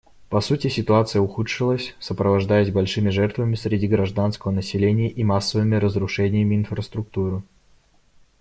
По сути, ситуация ухудшилась, сопровождаясь большими жертвами среди гражданского населения и массовыми разрушениями инфраструктуры.